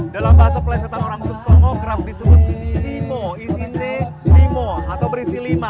dalam bahasa pelesetan orang tunggso ngo kerap disebut isi mo isi ne limo atau berisi lima